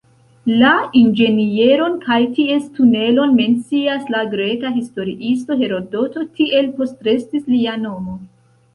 La inĝenieron kaj ties tunelon mencias la greka historiisto Herodoto, tiel postrestis lia nomo.